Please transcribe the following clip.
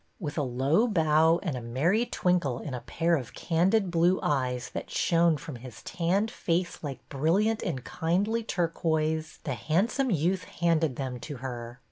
With a low bow, and a merry twinkle in a pair of candid blue eyes that shone from his tanned face like brilliant and kindly turquoise, the handsome youth handed them to her.